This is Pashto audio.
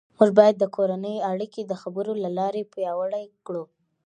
موږ باید د کورنۍ اړیکې د خبرو له لارې پیاوړې کړو